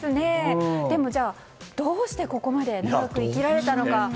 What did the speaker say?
じゃあ、どうしてここまで長く生きられたのか。